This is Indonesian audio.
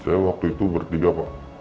saya waktu itu bertiga pak